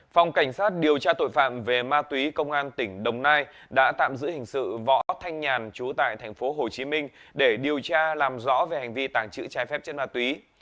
phòng cảnh sát điều tra tội phạm về ma túy công an tỉnh đồng nai đã tạm giữ hình sự võ thanh nhàn trú tại thành phố hồ chí minh để điều tra làm rõ về hành vi tàng trữ trái phép trên ma túy